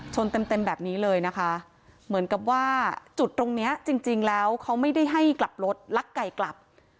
เต็มเต็มแบบนี้เลยนะคะเหมือนกับว่าจุดตรงเนี้ยจริงแล้วเขาไม่ได้ให้กลับรถลักไก่กลับ